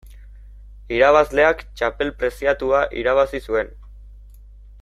Irabazleak txapel preziatua irabazi zuen.